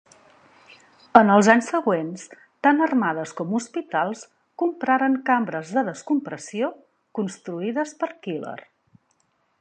En els anys següents, tant armades com hospitals compraren cambres de descompressió construïdes per Keller.